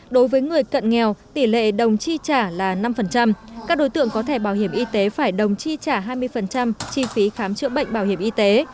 đối với người cận nghèo tỷ lệ đồng chi trả là năm các đối tượng có thẻ bảo hiểm y tế phải đồng chi trả hai mươi chi phí khám chữa bệnh bảo hiểm y tế